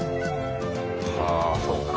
はあそうか。